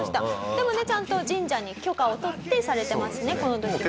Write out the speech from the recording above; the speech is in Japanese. でもねちゃんと神社に許可を取ってされてますねこの時も。